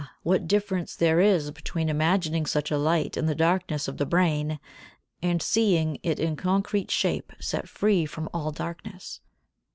What difference there is between imagining such a light in the darkness of the brain and seeing it in concrete shape set free from all darkness.